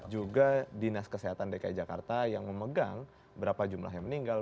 juga dinas kesehatan dki jakarta yang memegang berapa jumlah yang meninggal